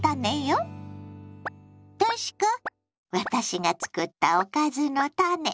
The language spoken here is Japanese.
とし子私が作った「おかずのタネ」